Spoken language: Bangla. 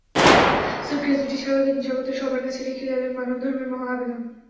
সুটকেস দুটি ছাড়াও তিনি জগতের সবার কাছে রেখে গেলেন মানবধর্মের মহা আবেদন।